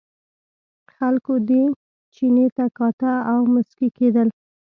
خلکو دې چیني ته کاته او مسکي کېدل.